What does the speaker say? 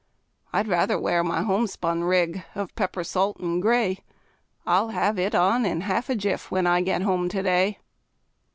I'd rather wear my homespun rig of pepper salt and gray I'll have it on in half a jiff, when I get home to day.